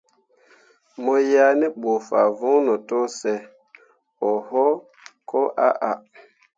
Mo yah ne bu fah voŋno to sə oho koo ahah.